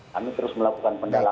kami terus melakukan penyelidikan